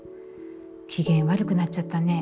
『機嫌悪くなっちゃったね』